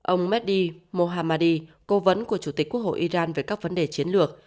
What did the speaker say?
ông mehdi mohammadi cố vấn của chủ tịch quốc hội iran về các vấn đề chiến lược